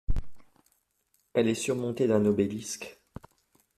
Elle est surmontée d’un obélisque.